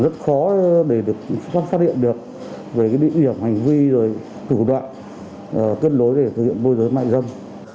rất khó để được phát hiện được về cái địa điểm hành vi rồi thủ đoạn kết nối để thực hiện môi giới mại dâm